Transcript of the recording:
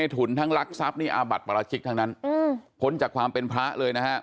ถุนทั้งรักทรัพย์นี่อาบัติปราชิกทั้งนั้นพ้นจากความเป็นพระเลยนะฮะ